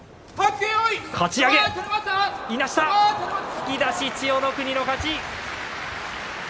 突き出し、千代の国の勝ち。